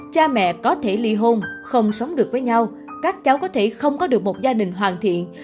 cha mẹ có thể ly hôn không sống được với nhau các cháu có thể không có được một gia đình hoàn thiện